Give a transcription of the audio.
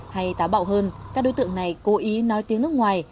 hay táo bạo hơn các đối tượng này cố ý nói tiếng nước ngoài